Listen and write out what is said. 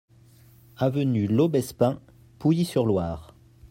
Avenue Laubespin, Pouilly-sur-Loire